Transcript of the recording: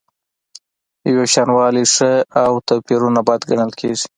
یوشانوالی ښه او توپیرونه بد ګڼل کیږي.